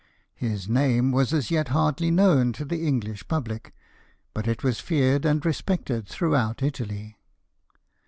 His name was as yet hardly known to the English public, but it was feared and respected throughout Italy.